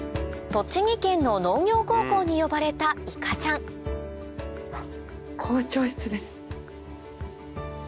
栃木県の農業高校に呼ばれたいかちゃんあっ校長室です。